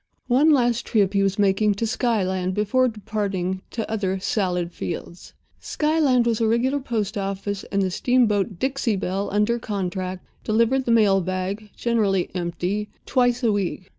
One last trip he was making to Skyland before departing to other salad fields. Skyland was a regular post office, and the steamboat, Dixie Belle, under contract, delivered the mail bag (generally empty) twice a week.